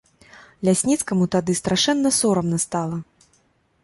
Лясніцкаму тады страшэнна сорамна стала.